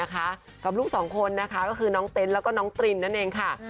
กับลูกสองคนนะคะก็คือน้องเต้นแล้วก็น้องตรินนั่นเองค่ะ